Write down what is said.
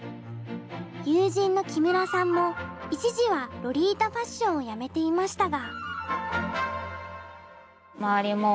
友人の木村さんも一時はロリータファッションをやめていましたが。